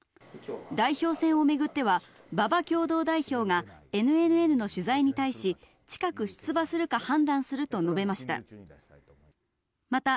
代表選を巡っては、馬場共同代表がＮＮＮの取材に対し、近く出馬するか判断すると述べました。